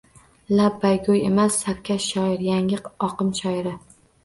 Labbaygo‘y emas. Sarkash shoir. Yangi oqim shoiri.